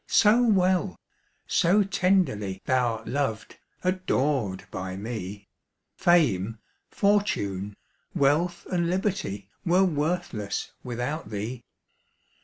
so well, so tenderly Thou'rt loved, adored by me, Fame, fortune, wealth, and liberty, Were worthless without thee.